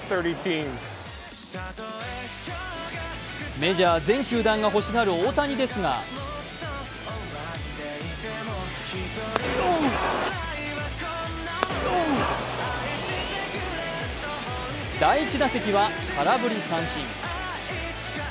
メジャー全球団が欲しがる大谷ですが第１打席は空振り三振。